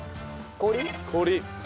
氷。